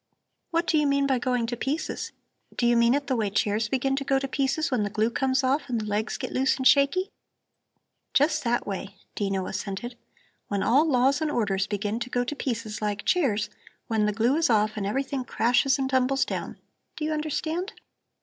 "What do you mean by going to pieces? Do you mean it the way chairs begin to go to pieces when the glue comes off and the legs get loose and shaky?" "Just that way," Dino assented. "When all laws and orders begin to go to pieces like chairs, when the glue is off and everything crashes and tumbles down; do you understand?"